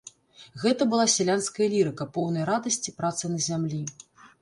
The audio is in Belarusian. Гэта была сялянская лірыка, поўная радасці працы на зямлі.